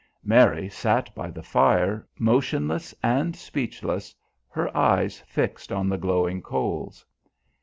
Mary sat by the fire, motionless and speechless, her eyes fixed on the glowing coals.